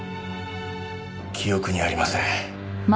記憶にありません。